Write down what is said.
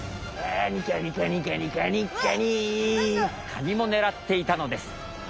「カニもねらっていたのです」。